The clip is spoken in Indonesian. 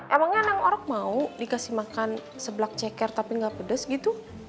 emangnya neng orok mau dikasih makan sebelak ceker tapi enggak pedes gitu